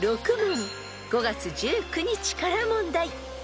［５月１９日から問題］